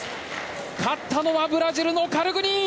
勝ったのはブラジルのカルグニン。